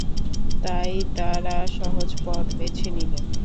তাই তারা সহজ পথ বেছে নিলেন।